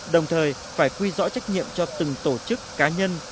đồng thời phải quy rõ trách nhiệm cho từng tổ chức cá nhân